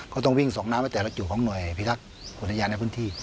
ต้องวิ่งส่งน้ำในแต่ละจุดของหน่วยพิทักษ์อุทยานในพื้นที่